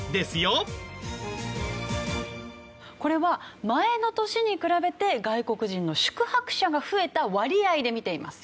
これは前の年に比べて外国人の宿泊者が増えた割合で見ています。